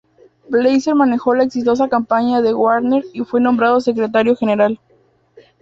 Blazer manejó la exitosa campaña de Warner y fue nombrado secretario general.